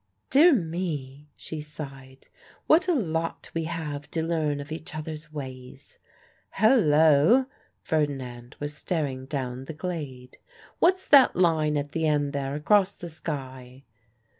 "Dear me," she sighed, "what a lot we have to learn of each other's ways!" "Hullo!" Ferdinand was staring down the glade. "What's that line at the end there, across the sky?"